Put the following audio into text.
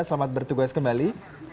selamat bertugas kembali